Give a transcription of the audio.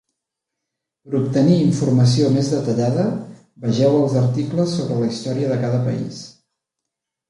Per obtenir informació més detallada, vegeu els articles sobre la història de cada país.